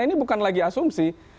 ini bukan lagi asumsi